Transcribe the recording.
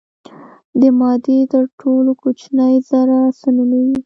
د مادې تر ټولو کوچنۍ ذره څه نومیږي.